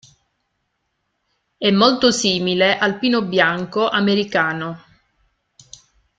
È molto simile al pino bianco americano.